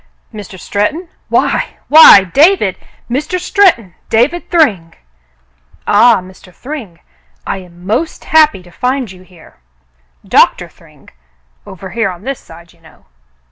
"Mr. Stretton, why — why! David — Mr. Stretton, David Thryng— " "Ah, Mr. Thryng. I am most happy to find you here." "Doctor Thryng — over here on this side, you know."